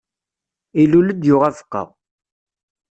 Ilul-d, yuɣ abeqqa.